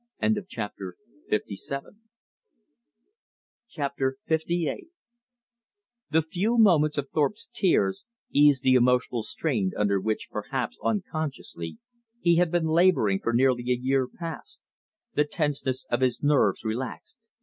Chapter LVIII The few moments of Thorpe's tears eased the emotional strain under which, perhaps unconsciously, he had been laboring for nearly a year past. The tenseness of his nerves relaxed.